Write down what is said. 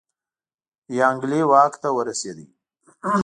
یانګلي واک ته ورسېد.